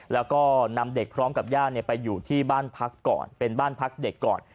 และนำเด็กพร้อมกับย่าไปอยู่ที่บ้านพักเด็กก่อน